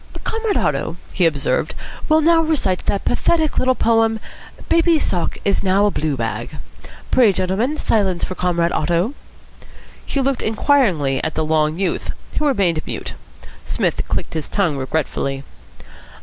"Comrade Otto," he observed, "will now recite that pathetic little poem 'Baby's Sock is now a Blue bag.' Pray, gentlemen, silence for Comrade Otto." He looked inquiringly at the long youth, who remained mute. Psmith clicked his tongue regretfully.